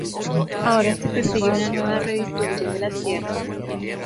Ahora se persigue una nueva redistribución de las tierras.